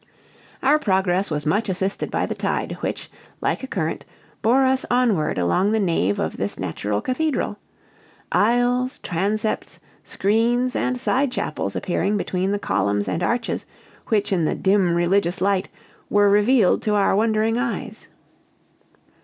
Our progress was much assisted by the tide, which, like a current, bore us onward along the nave of this natural cathedral; aisles, transepts, screens, and side chapels appearing between the columns and arches which in the "dim religious light" were revealed to our wondering eyes.